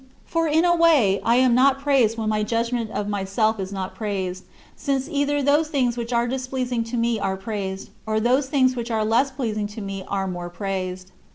For in a way, I am not praised when my judgment of myself is not praised, since either those things which are displeasing to me are praised, or those things which are less pleasing to me are more praised.